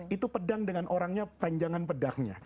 itu pedang dengan orangnya panjangan pedangnya